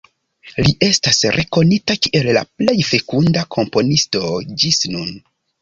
Li estas rekonita kiel la plej fekunda komponisto ĝis nun.